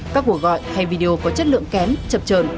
các cuộc gọi hay video có chất lượng kém chập trờn